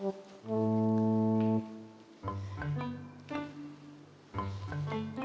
puan aku akkor orangnya